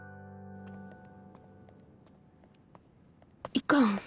いかん